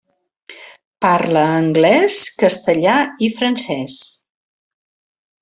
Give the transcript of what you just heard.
Parla anglès, castellà i francès.